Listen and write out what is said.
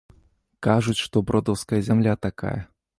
Кажуць, што бродаўская зямля такая.